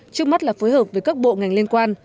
trước mắt là phối hợp với các bộ ngành liên quan